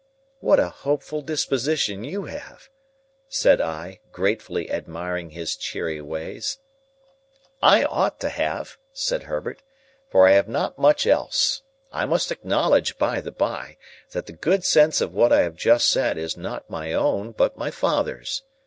"What a hopeful disposition you have!" said I, gratefully admiring his cheery ways. "I ought to have," said Herbert, "for I have not much else. I must acknowledge, by the by, that the good sense of what I have just said is not my own, but my father's.